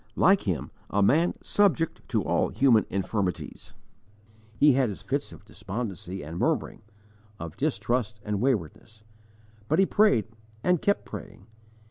Like him, a man subject to all human infirmities, he had his fits of despondency and murmuring, of distrust and waywardness; but he prayed and kept praying.